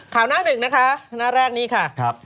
ข่าวหน้าหนึ่งนะคะหน้าแรกนี้ค่ะ